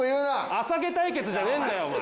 あさげ対決じゃねえんだよお前。